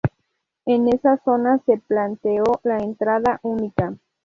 En esa zona se planteó la entrada única.